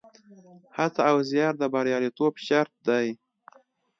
هڅه او زیار د بریالیتوب شرط دی.